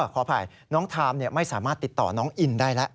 ขออภัยน้องทามไม่สามารถติดต่อน้องอินได้แล้ว